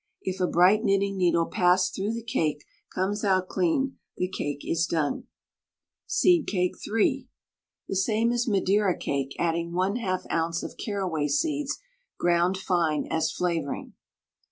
If a bright knitting needle passed through the cake comes out clean, the cake is done. SEED CAKE (3). The same as "Madeira Cake," adding 1/2 oz. of carraway seeds, ground fine, as flavouring.